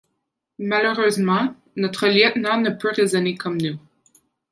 Malheureusement, notre lieutenant ne peut raisonner comme nous.